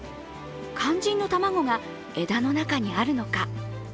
肝心の卵が、枝の中にあるのか。